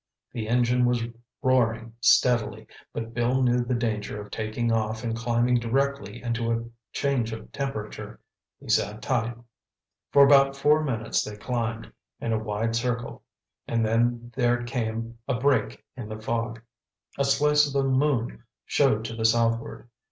The engine was roaring steadily, but Bill knew the danger of taking off and climbing directly into a change of temperature. He sat tight. For about four minutes they climbed, in a wide circle. And then there came a break in the fog. A slice of the moon showed to the southward.